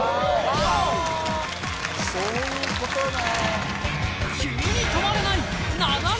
そういうことね。